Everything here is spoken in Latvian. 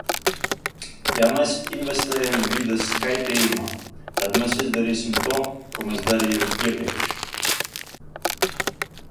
Ja mēs investējam vides kaitējumā, tad mēs izdarīsim to, ko mēs darījām iepriekš.